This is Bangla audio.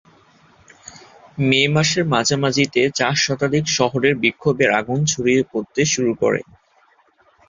মে মাসের মাঝামাঝিতে চার শতাধিক শহরের বিক্ষোভের আগুন ছড়িয়ে পড়তে শুরু করে।